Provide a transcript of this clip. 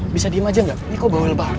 bisa diem aja nggak ini kok bawel banget